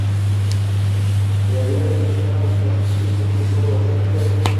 مېلې د کوچنيانو د تخلیقي فکر روزنه کوي.